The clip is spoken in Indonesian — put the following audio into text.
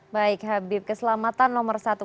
baik habib keselamatan nomor satu